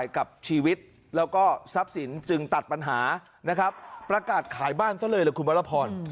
กับชีวิตแล้วก็ทรัพย์สินจึงตัดปัญหานะครับประกาศขายบ้านซะเลยล่ะคุณวรพร